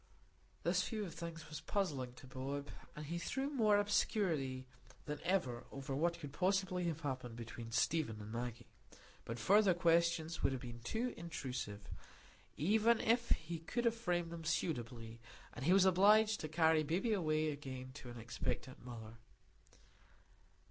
This view of things was puzzling to Bob, and threw more obscurity than ever over what could possibly have happened between Stephen and Maggie. But further questions would have been too intrusive, even if he could have framed them suitably, and he was obliged to carry baby away again to an expectant mother.